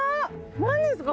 何ですか？